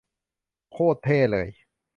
โคตรเท่เลย